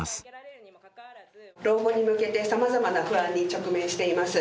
老後に向けてさまざまな不安に直面しています。